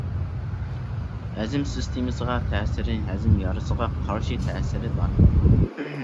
ھەزىم سىستېمىسىغا تەسىرى: ھەزىم يارىسىغا قارشى تەسىرى بار.